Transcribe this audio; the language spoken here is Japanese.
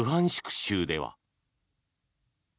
州では。